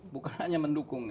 bukan hanya mendukung